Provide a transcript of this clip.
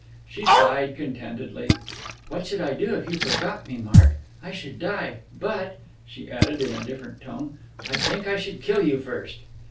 She sighed contentedly. "What should I do if you forgot me, Mark? I should die. But," she added in a different tone, "I think I should kill you first!"